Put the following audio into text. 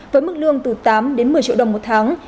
với mức lương từ tám đến một mươi triệu đồng một tháng